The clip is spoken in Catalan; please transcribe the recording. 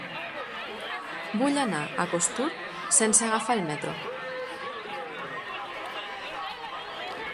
Vull anar a Costur sense agafar el metro.